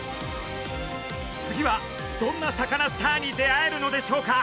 次はどんなサカナスターに出会えるのでしょうか？